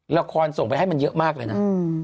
ส่งไปให้มันเยอะมากเลยนะ